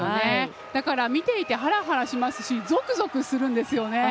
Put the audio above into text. だから見ていてハラハラしますしゾクゾクするんですよね。